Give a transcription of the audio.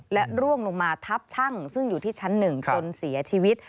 และร่วงลงมาทับช่างซึ่งอยู่ที่ชั้น๑จนเสียชีวิต